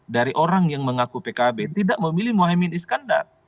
dari orang yang mengaku pkb tidak memilih mohaimin iskandar